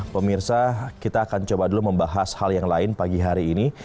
pemirsa kita akan coba dulu membahas hal yang lain pagi hari ini